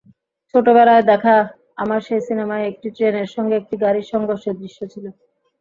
ছোটবেলায় দেখা আমার সেই সিনেমায় একটি ট্রেনের সঙ্গে একটি গাড়ির সংঘর্ষের দৃশ্য ছিল।